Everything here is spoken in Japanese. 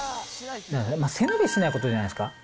背伸びしないことじゃないですか。